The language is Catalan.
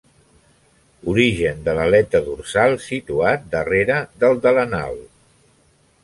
Origen de l'aleta dorsal situat darrere del de l'anal.